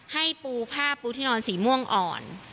ให้ปูผ้าปูที่นอนสีม่วงอ่อน